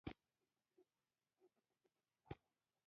افغانستان د سنگ مرمر په اړه علمي څېړنې لري.